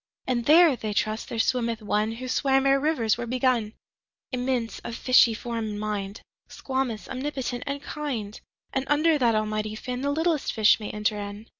19And there (they trust) there swimmeth One20Who swam ere rivers were begun,21Immense, of fishy form and mind,22Squamous, omnipotent, and kind;23And under that Almighty Fin,24The littlest fish may enter in.